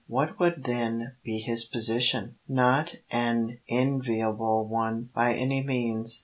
What would then be his position? Not an enviable one, by any means.